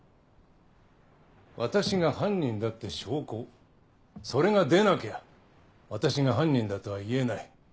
私が犯人だって証拠それが出なきゃ私が犯人だとは言えない。